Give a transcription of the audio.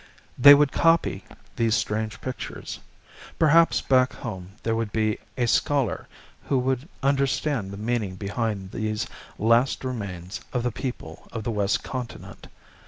They would copy these strange pictures. Perhaps back home there would be a scholar who would understand the meaning behind these last remains of the people of the west continent.